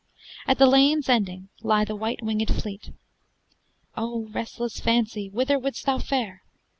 At the lane's ending lie the white winged fleet. O restless Fancy, whither wouldst thou fare?